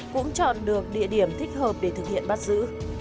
cũng chọn được địa điểm thích hợp để thực hiện bắt giữ